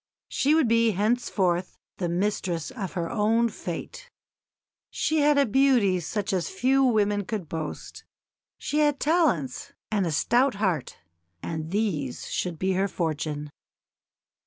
She would be henceforth the mistress of her own fate. She had beauty such as few women could boast she had talents and a stout heart; and these should be her fortune.